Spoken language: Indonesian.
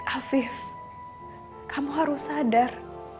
afif kamu harus sadar